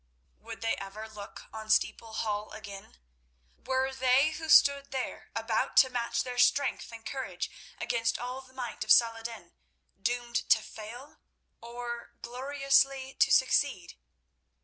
Would they ever look on Steeple Hall again? Were they who stood there about to match their strength and courage against all the might of Saladin, doomed to fail or gloriously to succeed?